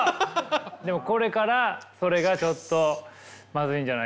でもこれからそれがちょっとまずいんじゃないかと。